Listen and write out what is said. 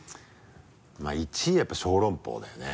まぁ１位やっぱ小籠包だよね。